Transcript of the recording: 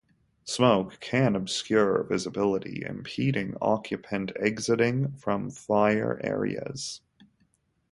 Smoke can obscure visibility, impeding occupant exiting from fire areas.